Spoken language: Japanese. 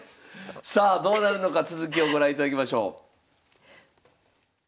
さあどうなるのか続きをご覧いただきましょう。